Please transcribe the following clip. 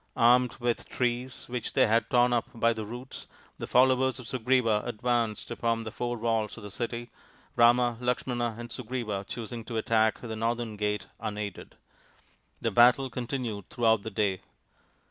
Armed with :rees which they had torn up by the roots, the : ollowers of Sugriva advanced upon the four walls )f the city, Rama, Lakshmana, and Sugriva choosing :o attack the northern gate unaided. The battle :ontinued throughout the day.